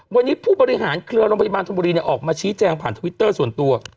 วันนี้ผู้บริหารเครือโรงพยาบาลธนบุรีออกมาชี้แจงผ่านทวิตเตอร์ส่วนตัว